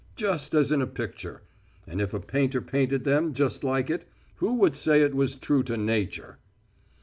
Just as in a picture. And if a painter painted them just like it, who would say it was true to Nature?"